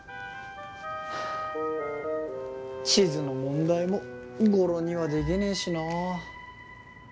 地図の問題も語呂にはできねえしなあ。